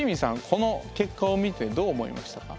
この結果を見てどう思いましたか？